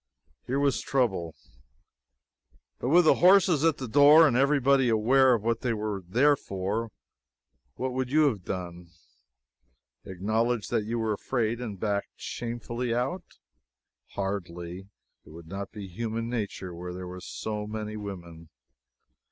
Here was trouble. But with the horses at the door and every body aware of what they were there for, what would you have done? Acknowledged that you were afraid, and backed shamefully out? Hardly. It would not be human nature, where there were so many women.